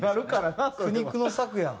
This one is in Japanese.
苦肉の策やん。